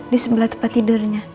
di sebelah tempat tidurnya